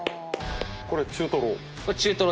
これ中トロ？